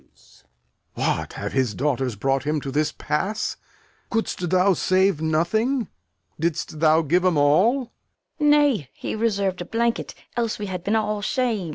Lear. What, have his daughters brought him to this pass? Couldst thou save nothing? Didst thou give 'em all? Fool. Nay, he reserv'd a blanket, else we had been all sham'd.